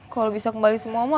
kalau bisa kembali semua mau